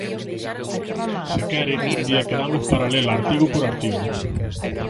Se quere, un día quedamos para lela artigo por artigo.